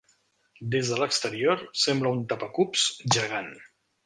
Des de l'exterior sembla un tapa-cubs gegant.